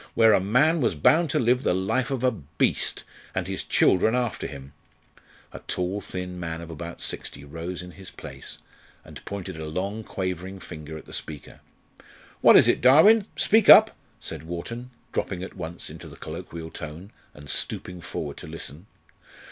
where a man was bound to live the life of a beast, and his children after him A tall thin man of about sixty rose in his place, and pointed a long quavering finger at the speaker. "What is it, Darwin? speak up!" said Wharton, dropping at once into the colloquial tone, and stooping forward to listen.